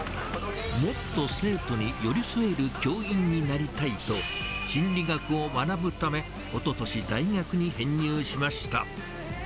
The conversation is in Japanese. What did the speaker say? もっと生徒に寄り添える教員になりたいと、心理学を学ぶため、おととし大学に編入しました。